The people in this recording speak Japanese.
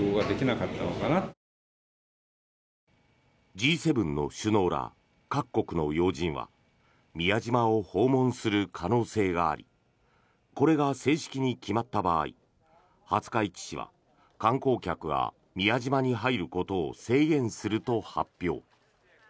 Ｇ７の首脳ら各国の要人は宮島を訪問する可能性がありこれが正式に決まった場合廿日市市は観光客が宮島に入ることを制限すると発表。